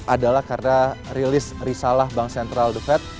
adalah karena rilis risalah bank sentral the fed